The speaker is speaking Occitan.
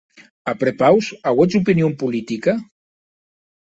A prepaus, auètz opinon politica?